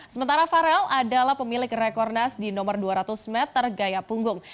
sementara farel adalah pemilik rekornas di nomor dua ratus meter gaya punggung